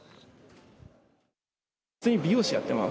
普通に美容師やってます。